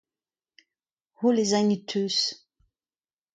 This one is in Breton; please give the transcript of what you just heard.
Holl ez aint e teuz.